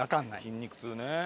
筋肉痛ね。